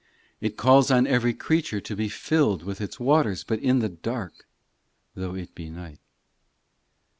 IX It calls on every creature to be filled With its waters, but in the dark, Though it be night.